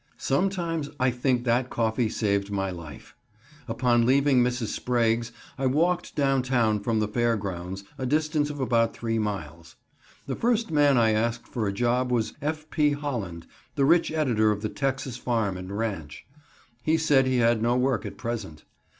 Sometimes I think that coffee saved my life. Upon leaving Mrs. Sprague's I walked down town from the fair grounds, a distance of about three miles. The first man I asked for a job was F. P. Holland, the rich editor of the Texas Farm and Ranch. He said he had no work at present.